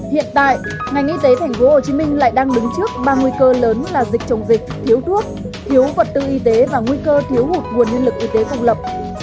hiện tại ngành y tế thành phố hồ chí minh lại đang đứng trước ba nguy cơ lớn là dịch chống dịch thiếu thuốc thiếu vật tư y tế và nguy cơ thiếu hụt nguồn nhân lực y tế phục lập